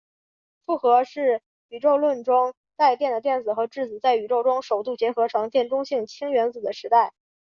复合是宇宙论中带电的电子和质子在宇宙中首度结合成电中性氢原子的时代。